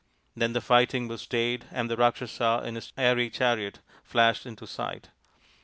Then the fighting was stayed and the Rakshasa in his airy chariot flashed into sight.